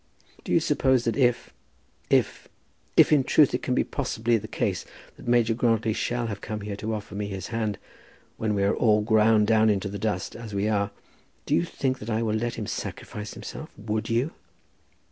"Do you suppose that if if if in real truth it can possibly be the case that Major Grantly shall have come here to offer me his hand when we are all ground down into the dust, as we are, do you think that I will let him sacrifice himself? Would you?"